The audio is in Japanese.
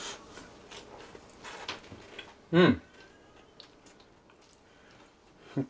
うん！